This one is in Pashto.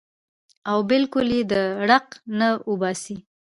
او بالکل ئې د ړق نه اوباسي -